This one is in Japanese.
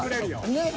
ねっ。